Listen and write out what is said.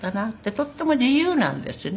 とても自由なんですね。